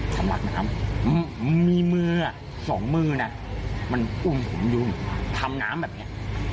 สำลักน้ำมีมือสองมือนะมันอุ้มผมอยู่ทำน้ำแบบเนี้ย